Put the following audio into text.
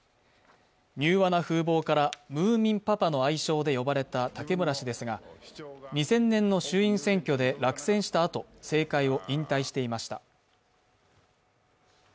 柔和な風貌からムーミンパパの愛称で呼ばれた武村氏ですが、２０００年の衆院選挙で落選したあと政界を引退していました。